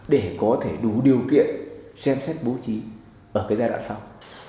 để có thể đủ điều kiện xem xét bố trí ở cái giai đoạn sau